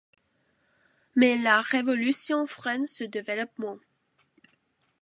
Mais la Révolution freine ce développement.